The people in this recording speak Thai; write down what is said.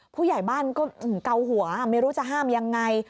ผู้ใหญ่บ้านก็เกาหัวไม่รู้จะห้ามยังไง